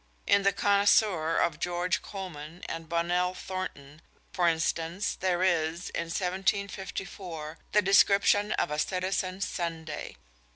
In the Connoisseur of George Colman and Bonnell Thornton, for instance, there is, in 1754, the description of a citizen's Sunday.